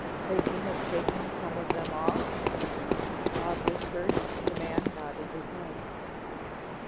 "Thinking of taking some of them off?" Bob whispered and the man nodded his head.